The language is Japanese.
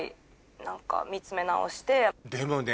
でもね